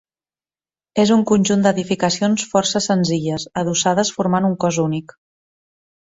És un conjunt d'edificacions força senzilles, adossades formant un cos únic.